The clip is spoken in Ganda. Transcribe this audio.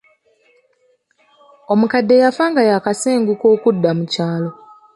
Omukadde yafa nga yaakasenguka okudda mu kyalo.